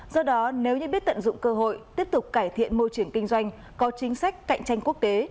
do đó nếu như biết tận dụng cơ hội tiếp tục cải thiện môi trường kinh doanh có chính sách cạnh tranh quốc tế